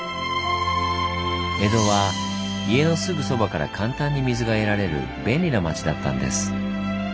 江戸は家のすぐそばから簡単に水が得られる便利な町だったんです。